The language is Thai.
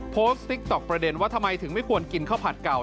ติ๊กต๊อกประเด็นว่าทำไมถึงไม่ควรกินข้าวผัดเก่า